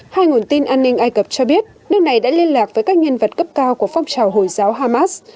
hai nguồn tin an ninh ai cập cho biết nước này đã liên lạc với các nhân vật cấp cao của phong trào hồi giáo hamas